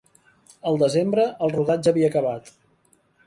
El desembre, el rodatge havia acabat.